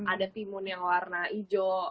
ada timun yang warna hijau